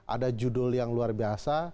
ada judul yang luar biasa